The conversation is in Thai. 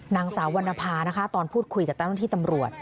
นางสาววรรณภาตอนพูดคุยกับต้นที่ตำรวจ